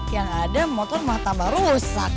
yang ada motor mah tambah rusak